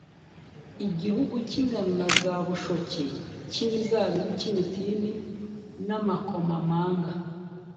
igihugu cy’ingano na za bushoki, cy’imizabibu, cy’imitini n’amakomamanga